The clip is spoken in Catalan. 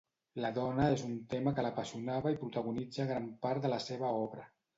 La dona és un tema que l'apassionava i protagonitza gran part de la seva obra.